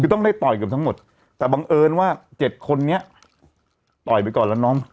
คือต้องได้ต่อยเกือบทั้งหมดแต่บังเอิญว่า๗คนนี้ต่อยไปก่อนแล้วน้อง